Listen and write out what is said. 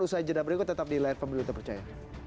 usaha jeda berikut tetap di lain fembeli terpercaya